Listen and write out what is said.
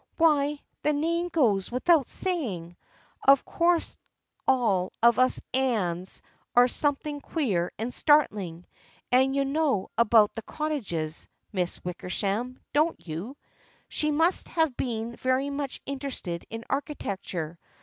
" Why, the name goes without saying ! Of course all of us Amies are something queer and startling. And you know about the cottages, Miss Wickersham, don't you? She must have been very much interested in architecture.